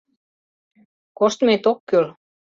— Коштмет ок кӱл.